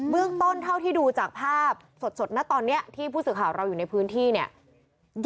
เรื่องต้นเท่าที่ดูจากภาพสดนะตอนนี้ที่ผู้สื่อข่าวเราอยู่ในพื้นที่เนี่ย